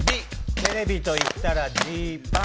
テレビといったらジーパン。